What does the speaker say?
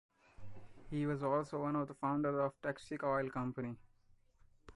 He was also one of the founders of Texaco Oil Company.